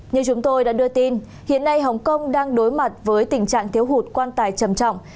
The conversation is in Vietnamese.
như chúng tôi đã đưa tin hiện nay hồng kông đang đối mặt với tình trạng thiếu hụt quan tài trầm trọng